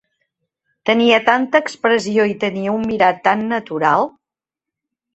Tenia tanta expressió i tenia un mirar tant natural